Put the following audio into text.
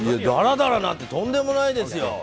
だらだらなんてとんでもないですよ。